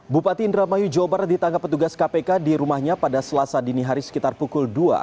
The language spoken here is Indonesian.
bupati indramayu jawa barat ditangkap petugas kpk di rumahnya pada selasa dini hari sekitar pukul dua